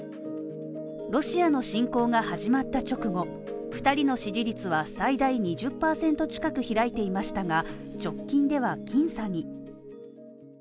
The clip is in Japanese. ロシアの侵攻が始まった直後２人の支持率は最大２０％近く開いていましたが、直近では僅差に。